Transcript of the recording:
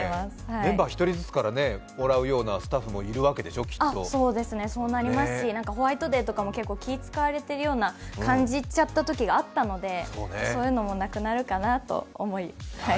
メンバー１人ずつからもらうようなスタッフもいるわけでしょ、きっとそうなりますし、ホワイトデーとかも結構、気を遣われてると感じちゃったときがあったのでそういうのもなくなるかなと思い。